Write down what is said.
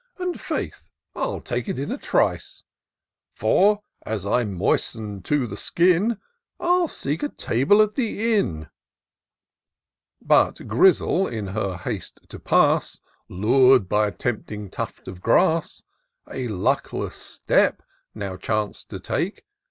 And, faith, 111 take it in a trice ; For, as I'm moisten'd to the skin, I'll seek a table at the inn ;— But Grizzle, in her haste to pass, Lur'd by a tempting tuft of grass, A luckless step now chanc'd to take.